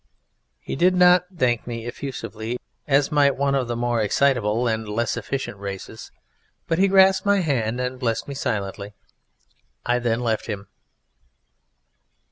He did not thank me effusively, as might one of the more excitable and less efficient races; but he grasped my hand and blessed me silently. I then left him.